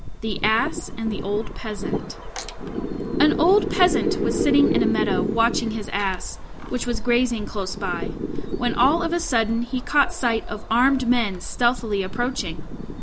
THE ASS AND THE OLD PEASANT An old Peasant was sitting in a meadow watching his Ass, which was grazing close by, when all of a sudden he caught sight of armed men stealthily approaching.